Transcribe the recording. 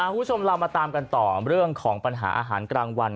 คุณผู้ชมเรามาตามกันต่อเรื่องของปัญหาอาหารกลางวัน